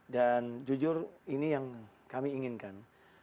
dan jujur ini yang kami inginkan